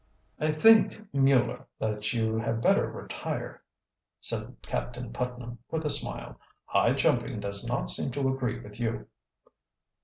"I think, Mueller, that you had better retire," said Captain Putnam with a smile. "High jumping does not seem to agree with you."